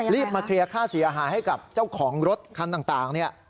มาเคลียร์ค่าเสียหายให้กับเจ้าของรถคันต่างเนี่ย